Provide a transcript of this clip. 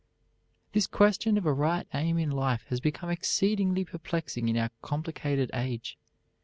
This question of a right aim in life has become exceedingly perplexing in our complicated age.